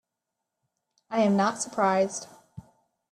I am not surprised.